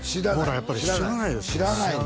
やっぱり知らないですよね